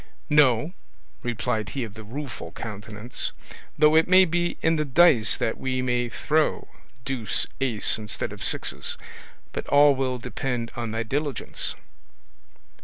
"No," replied he of the Rueful Countenance; "though it may be in the dice that we may throw deuce ace instead of sixes; but all will depend on thy diligence."